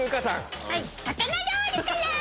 魚料理から！